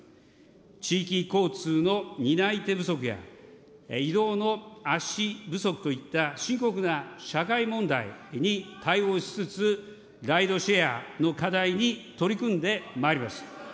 地域交通の担い手不足や移動の足不足といった深刻な社会問題に対応しつつ、ライドシェアの課題に取り組んでまいります。